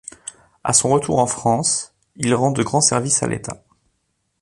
À son retour en France, il rend de grands services à l'État.